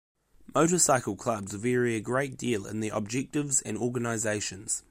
Motorcycle clubs vary a great deal in their objectives and organizations.